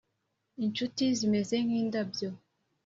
inshuti zimeze nkindabyo,